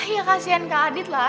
ya kasihan kak adit lah